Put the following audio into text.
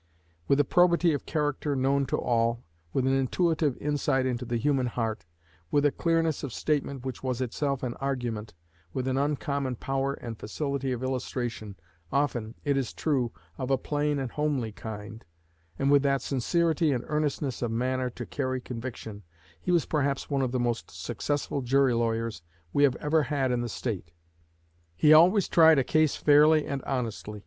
With a probity of character known to all, with an intuitive insight into the human heart, with a clearness of statement which was itself an argument, with an uncommon power and facility of illustration, often, it is true, of a plain and homely kind, and with that sincerity and earnestness of manner to carry conviction, he was perhaps one of the most successful jury lawyers we have ever had in the State. He always tried a case fairly and honestly.